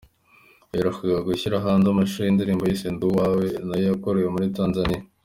Yaherukaga gushyira hanze amashusho y’indirimbo yise ‘Ndi Uwawe’ nayo yakorewe muri Tanzania.